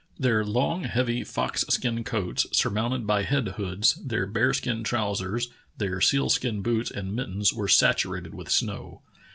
Their long, heavy fox skin coats, surmounted by head hoods, their bear skin trousers, their seal skin boots and mittens were saturated with snow.